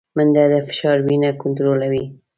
منډه د فشار وینې کنټرولوي